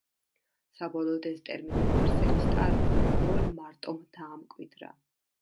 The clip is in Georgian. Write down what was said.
საბოლოოდ ეს ტერმინი „მარსელის ტარო“ პოლ მარტომ დაამკვიდრა.